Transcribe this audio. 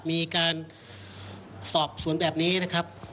มีการสอบสวนแบบนี้นะครับ